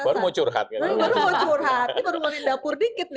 baru mau curhat ini baru mau pindah dapur sedikit nih